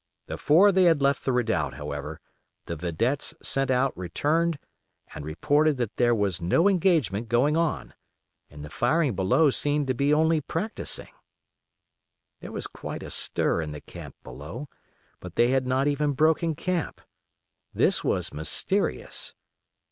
Before they had left the redoubt, however, the vedettes sent out returned and reported that there was no engagement going on, and the firing below seemed to be only practising. There was quite a stir in the camp below; but they had not even broken camp. This was mysterious.